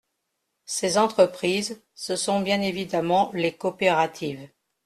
Ces entreprises, ce sont bien évidemment les coopératives.